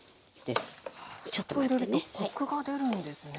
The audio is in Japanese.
お砂糖入れるとコクが出るんですね。